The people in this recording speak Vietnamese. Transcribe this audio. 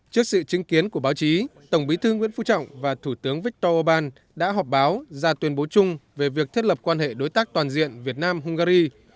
trước sự chứng kiến của báo chí tổng bí thư nguyễn phú trọng và thủ tướng viktor orbán đã họp báo ra tuyên bố chung về việc thiết lập quan hệ đối tác toàn diện việt nam hungary